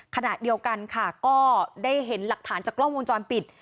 ขณะเดียวกันค่ะก็ได้เห็นหลักฐานจากกล้องวงจรปิด